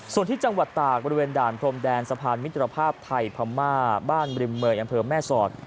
ส่วนที่จังหวัดตากบริเวณด่านพรมแดนสะพานมิตรภาพไทยพม่าบ้านบริมเมย์อำเภอแม่สอด